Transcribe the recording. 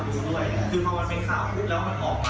คนที่เริ่มต่ำหน้าแล้วลงชอบ